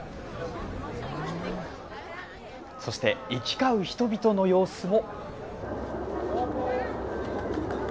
そして行き交う人々の様子も。